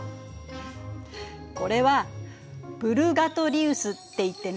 これはプルガトリウスっていってね